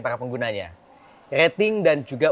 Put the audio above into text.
para penggunanya rating dan juga